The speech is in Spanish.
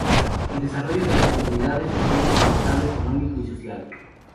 El desarrollo de las comunidades depende del estado económico y social.